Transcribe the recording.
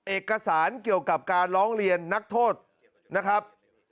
เอกสารเกี่ยวกับการร้องเรียนนักโทษนะครับ